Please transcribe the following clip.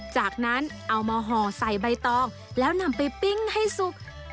จากนั้นเอามาห่อใส่ใบตองแล้วนำไปปิ้งให้สุก